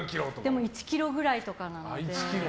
でも１ｋｇくらいとかなので。